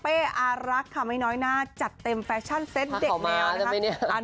อารักค่ะไม่น้อยหน้าจัดเต็มแฟชั่นเซ็ตเด็กแมวนะคะ